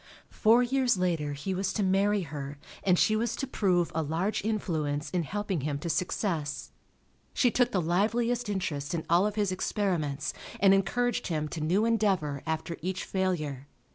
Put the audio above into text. Four years later he was to marry her and she was to prove a large influence in helping him to success. She took the liveliest interest in all of his experiments and encouraged him to new endeavor after each failure.